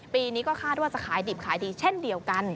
ปีนี้ก็คาดว่าจะขายดิบขายดีเช่นเดียวกัน